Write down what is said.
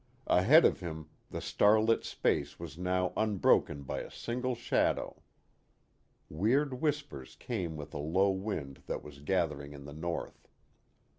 Ahead of him the starlit space was now unbroken by a single shadow. Weird whispers came with a low wind that was gathering in the north.